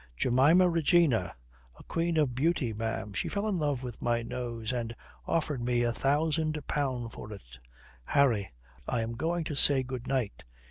"Jemima Regina. A queen of beauty, ma'am. She fell in love with my nose. And offered me a thousand pound for it." "Harry! I am going to say good night."